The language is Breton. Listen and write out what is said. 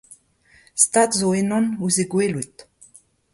Stad zo ennon ouzh he gwelout !